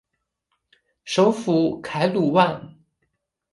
首府凯鲁万。